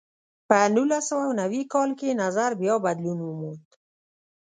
په نولس سوه نوي کال کې نظر بیا بدلون وموند.